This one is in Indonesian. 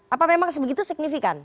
apa memang sebegitu signifikan